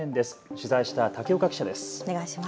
取材した竹岡記者です。